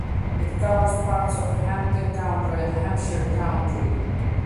It covers parts of Hampden County and Hampshire County.